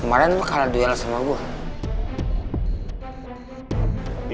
kemarin gue kalah duel sama gue